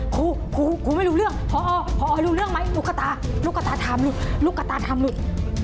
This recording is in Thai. ครูครูไม่รู้เรื่องพอพอให้รู้เรื่องไหมลูกตาลูกกระตาทำลูกกระตาทำลูก